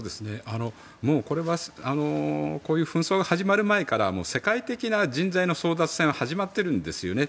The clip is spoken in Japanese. もう、これはこういう紛争が始まる前から世界的な人材の争奪戦は始まっているんですよね。